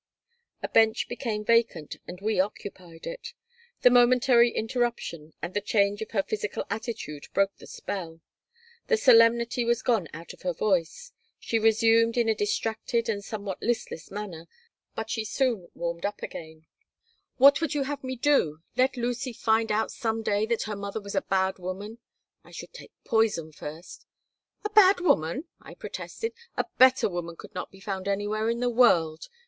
A bench became vacant and we occupied it. The momentary interruption and the change in her physical attitude broke the spell. The solemnity was gone out of her voice. She resumed in a distracted and somewhat listless manner, but she soon warmed up again "What would you have me do? Let Lucy find out some day that her mother was a bad woman? I should take poison first." "A bad woman!" I protested. "A better woman could not be found anywhere in the world.